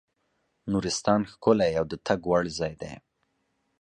نورستان ښکلی او د تګ وړ ځای دی.